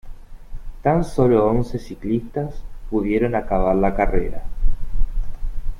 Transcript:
Tan sólo once ciclistas pudieron acabar la carrera.